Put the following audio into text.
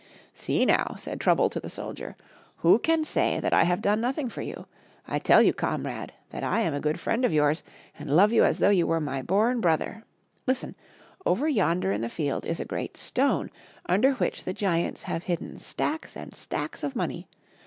" See, now," said Trouble to the soldier, " who can say that I have done nothing for you ? I tell you, comrade, that I am a good friend of yours, and love you as though you were my bom brother. Listen ! over yonder in the field is a great stone under which the giants have hidden stacks and stacks of money.